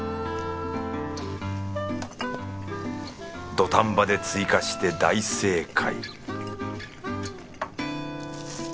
土壇場で追加して大正解